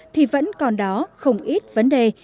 thì vẫn còn đó không ít vấn đề